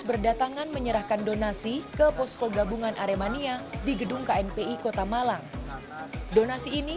berdatangan menyerahkan donasi ke posko gabungan aremania di gedung knpi kota malang donasi ini